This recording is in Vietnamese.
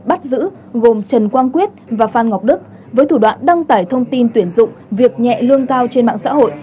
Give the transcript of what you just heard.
bắt giữ gồm trần quang quyết và phan ngọc đức với thủ đoạn đăng tải thông tin tuyển dụng việc nhẹ lương cao trên mạng xã hội